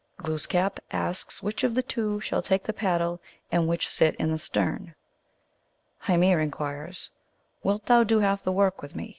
Glooskap asks which of the two shall take the paddle, and which sit in the stern. Hyinir inquires, " Wilt thou do half the work with me